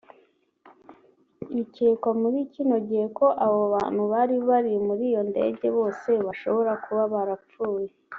Bikekwa muri kino gihe ko abo bantu bari muri iyo ndege bose bashobora kuba barapfuye